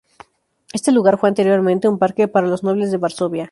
Este lugar fue anteriormente un parque para los nobles de Varsovia.